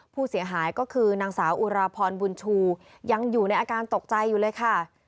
ผู้เสียหายก็คือนางสาวอุราพรบุญชูยังอยู่ในอาการตกใจอยู่เลยค่ะ